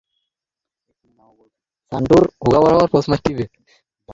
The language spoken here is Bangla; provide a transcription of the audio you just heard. অকস্মাৎ, সাবলীলতা।